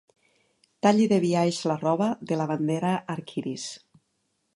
Talli de biaix la roba de la bandera arc-iris.